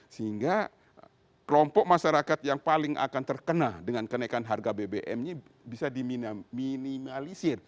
sehingga kelompok masyarakat yang paling akan terkena dengan kenaikan harga bbm ini bisa diminimalisir